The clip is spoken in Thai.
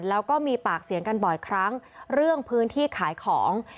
แล้วก็มีปากเสียงกันบ่อยครั้งเรื่องพื้นที่ขายของ